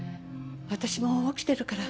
私も起きてるから。